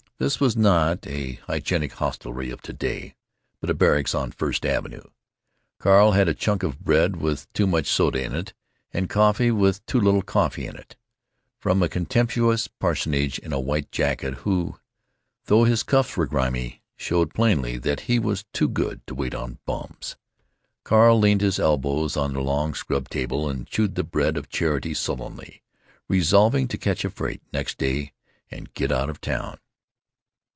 This was not the hygienic hostelry of to day, but a barracks on First Avenue. Carl had a chunk of bread with too much soda in it, and coffee with too little coffee in it, from a contemptuous personage in a white jacket, who, though his cuffs were grimy, showed plainly that he was too good to wait on bums. Carl leaned his elbows on the long scrubbed table and chewed the bread of charity sullenly, resolving to catch a freight next day and get out of town.